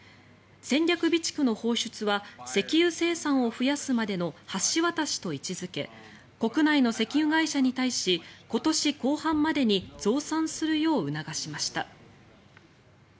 戦略備蓄の放出は石油生産を増やすまでの橋渡しと位置付け国内の石油会社に対し今年後半までに増産するよう促しました。